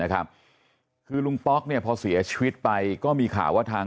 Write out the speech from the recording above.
คือลุงป๊อกพอเสียชีวิตไปก็มีข่าวว่า